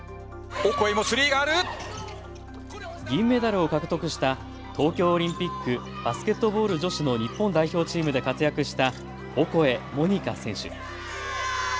銀メダルを獲得した東京オリンピック、バスケットボール女子の日本代表チームで活躍したオコエ桃仁花選手。